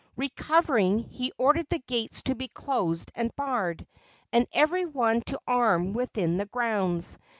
Recovering, he ordered the gates to be closed and barred, and every one to arm within the grounds.